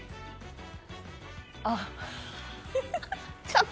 あっ。